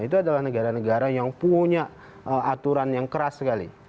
itu adalah negara negara yang punya aturan yang keras sekali